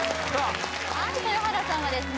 はい豊原さんはですね